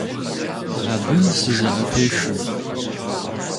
Абы сызэӏэпешэ.